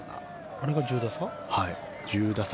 あれが１０打差？